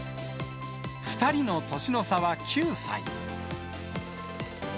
２人の年の差は９歳。